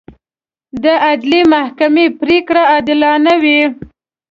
د عدلي محکمې پرېکړې عادلانه وي.